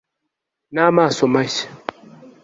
n'amaso mashya